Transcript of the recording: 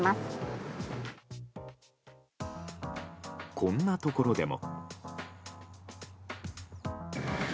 こんなところでも。